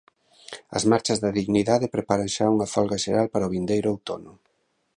As Marchas da Dignidade preparan xa unha folga xeral para o vindeiro outono.